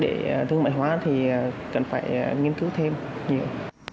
việc đưa ra để thương mại hóa thì cần phải nghiên cứu thêm nhiều